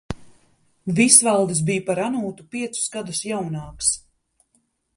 Visvaldis bija par Anūtu piecus gadus jaunāks.